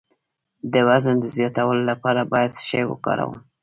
د وزن د زیاتولو لپاره باید څه شی وکاروم؟